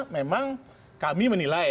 memang kami menilai